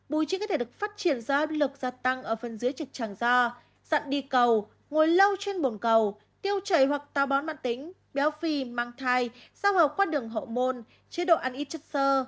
bụi trí có thể được phát triển ra lực gia tăng ở phần dưới trực tràng da dặn đi cầu ngồi lâu trên bồn cầu tiêu chảy hoặc tao bón mạng tính béo phì mang thai sao hợp qua đường hậu môn chế độ ăn ít chất xơ